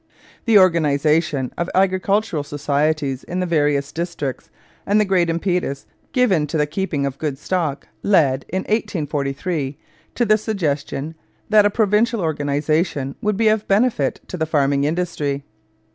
The organization of agricultural societies in the various districts, and the great impetus given to the keeping of good stock, led in 1843 to the suggestion that a provincial organization would be of benefit to the farming industry.